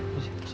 kasih mas ya